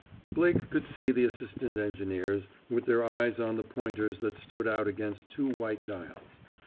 Blake could see the assistant engineers, with their eyes on the pointers that stood out against two white dials.